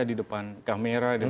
di depan kamera